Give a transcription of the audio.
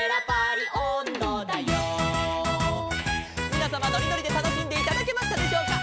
「みなさまのりのりでたのしんでいただけましたでしょうか」